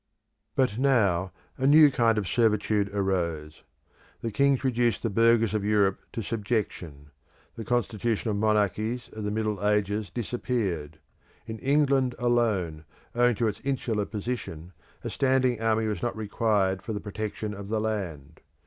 But now a new kind of servitude arose. The kings reduced the burghers of Europe to subjection. The constitutional monarchies of the Middle Ages disappeared. In England alone, owing to its insular position, a standing army was not required for the protection of the land.